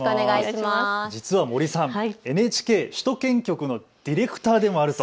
実は森さん、ＮＨＫ首都圏局のディレクターでもあると。